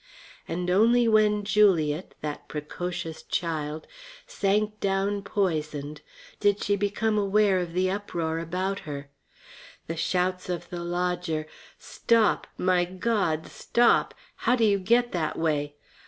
And only when Juliet, that precocious child, sank down poisoned did she become aware of the uproar about her. The shouts of the lodger, "Stop my God, stop! How do you get that way?"